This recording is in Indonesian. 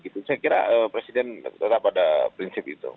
saya kira presiden tetap pada prinsip itu